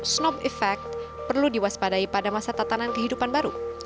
snop effect perlu diwaspadai pada masa tatanan kehidupan baru